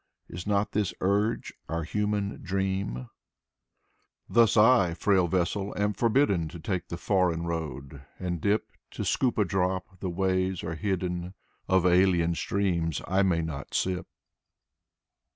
Is not this urge our human dream? Thus I, frail vessel, am forbidden To take the foreign road, and dip To scoop a drop ; the ways are hidden Of alien streams I may not sip.